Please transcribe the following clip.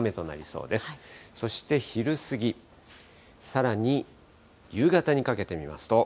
そして昼過ぎ、さらに夕方にかけて見ますと。